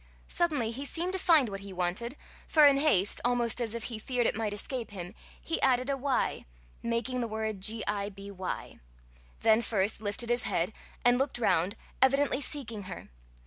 Suddenly he seemed to find what he wanted, for in haste, almost as if he feared it might escape him, he added a y, making the word giby then first lifted his head, and looked round, evidently seeking her.